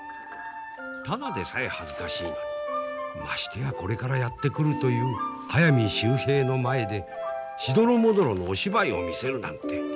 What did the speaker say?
ただでさえ恥ずかしいのにましてやこれからやって来るという速水秀平の前でしどろもどろのお芝居を見せるなんて。